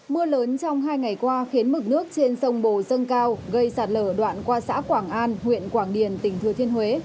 mưa lớn trong hai ngày qua khiến mực nước trên sông bồ dâng cao gây sạt lở đoạn qua xã quảng an huyện quảng điền tỉnh thừa thiên huế